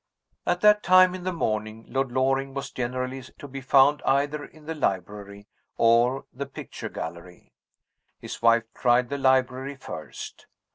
At that time in the morning, Lord Loring was generally to be found either in the library or the picture gallery. His wife tried the library first.